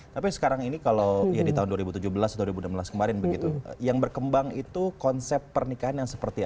tapi sekarang ini kalau ya di tahun dua ribu tujuh belas atau dua ribu enam belas kemarin begitu yang berkembang itu konsep pernikahan yang seperti apa